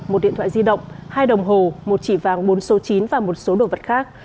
một điện thoại di động hai đồng hồ một chỉ vàng bốn số chín và một số đồ vật khác